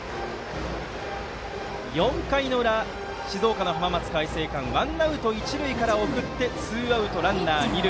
４回の裏、静岡の浜松開誠館ワンアウト、一塁から送ってツーアウトランナー、二塁。